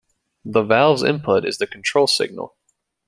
The valves input is the control signal.